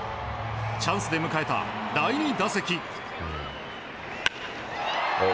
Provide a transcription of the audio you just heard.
チャンスで迎えた第２打席。